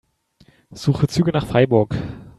Suche Züge nach Freiburg.